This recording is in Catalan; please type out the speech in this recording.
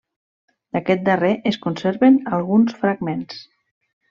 D'aquest darrer es conserven alguns fragments.